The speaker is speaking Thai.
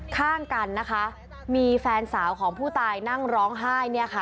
ข้างกันนะคะมีแฟนสาวของผู้ตายนั่งร้องไห้เนี่ยค่ะ